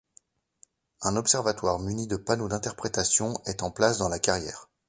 Un observatoire muni de panneaux d'interprétation est en place dans la carrière.